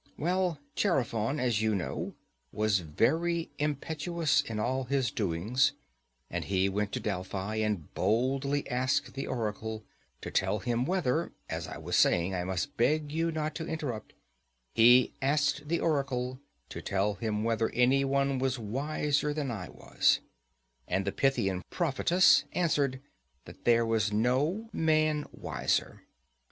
Well, Chaerephon, as you know, was very impetuous in all his doings, and he went to Delphi and boldly asked the oracle to tell him whether—as I was saying, I must beg you not to interrupt—he asked the oracle to tell him whether anyone was wiser than I was, and the Pythian prophetess answered, that there was no man wiser.